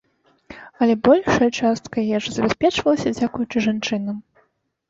Але большая частка ежы забяспечвалася дзякуючы жанчынам.